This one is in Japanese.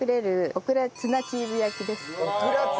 オクラツナチーズ焼き！